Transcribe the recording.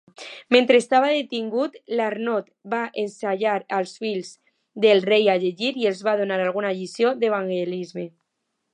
Mentre estava detingut, l'Arnot va ensenyar als fills del rei a llegir i els va donar alguna lliçó d'evangelisme.